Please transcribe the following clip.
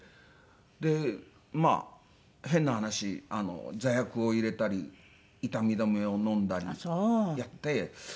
でまあ変な話座薬を入れたり痛み止めを飲んだりやって。